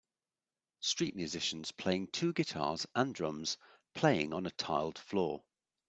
Street musicians playing two guitars and drums, playing on a tiled floor.